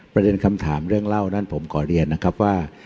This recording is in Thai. ประเด็นคำถามเรื่องเล่านั้นผมขอเรียนนะครับว่า